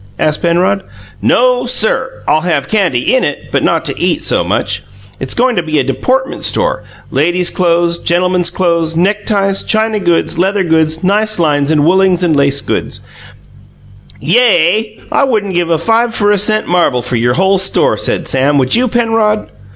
asked Penrod. "NO, sir! I'll have candy in it, but not to eat, so much. It's goin' to be a deportment store: ladies' clothes, gentlemen's clothes, neckties, china goods, leather goods, nice lines in woollings and lace goods " "Yay! I wouldn't give a five for a cent marble for your whole store," said Sam. "Would you, Penrod?"